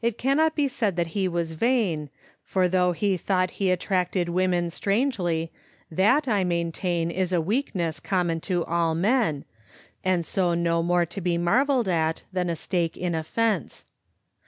It cannot be said that he was vain, for though he thought he attracted women strangely, that, I maintain, is a weakness common to all men, and so no more to be marvelled at than a stake in a fence.